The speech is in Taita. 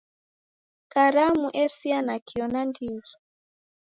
Karamu esia nakio nandighi.